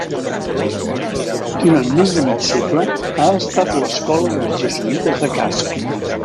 Durant més de mig segle ha estat a l'escola dels Jesuïtes de Casp.